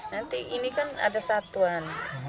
nanti ini kan ada satuan